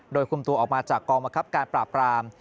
โดยคุมตัวออกมาจากกองบังคับการปราบราม